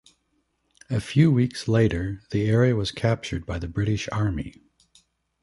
A few weeks later, the area was captured by the British Army.